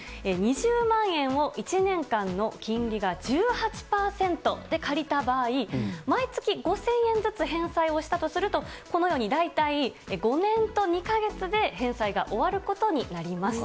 ２０万円を１年間の金利が１８％で借りた場合、毎月５０００円ずつ返済をしたとすると、このように大体５年と２か月で返済が終わることになります。